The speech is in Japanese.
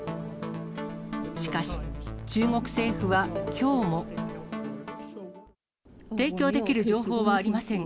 しかし、中国政府はきょうも。提供できる情報はありません。